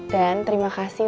dan terima kasih